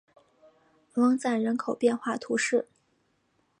翁赞人口变化图示